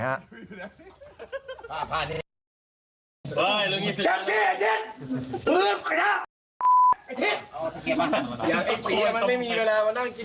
ไอ้ฉีด